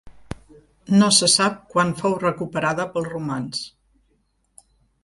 No se sap quan fou recuperada pels romans.